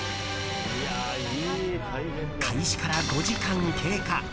開始から５時間経過。